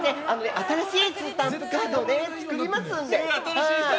新しいスタンプカードを作りますので。